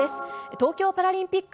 東京パラリンピック